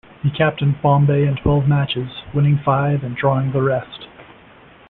He captained Bombay in twelve matches, winning five and drawing the rest.